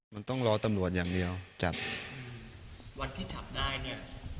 มันต้องรอตำรวจอย่างเดียวจับวันที่จับได้เนี่ย